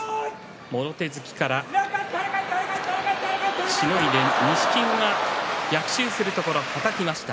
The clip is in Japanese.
もろ手突きからしのいで錦木が逆襲するところをはたきました。